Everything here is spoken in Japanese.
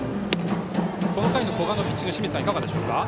この回の古賀のピッチングいかがでしょうか？